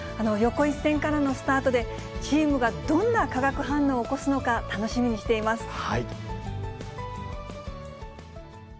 横一線からのスタートで、チームがどんな化学反応を起こすのか楽しみにしています。